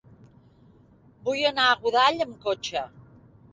Vull anar a Godall amb cotxe.